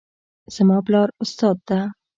زما پلار استاد ده